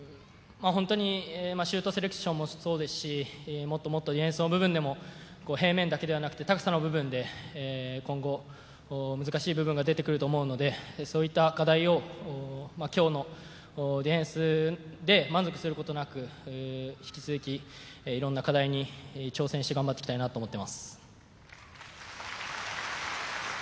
シュートセレクションもそうですし、もっともっとディフェンスの部分でも平面だけではなくて高さの部分で今後、難しい部分が出てくると思うので、そういった課題を今日のディフェンスで満足することなく引き続きいろんな課題に挑戦して頑張っていきたいなと思っています。